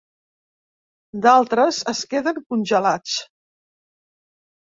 D'altres es queden congelats.